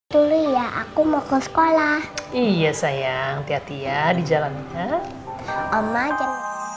dulu ya aku mau ke sekolah iya sayang tiati ya di jalannya omajen